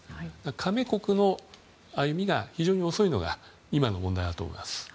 加盟国の歩みが非常に遅いのが今の問題だと思います。